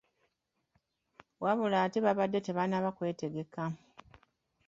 Wabula ate babadde tebannaba kwetegeka.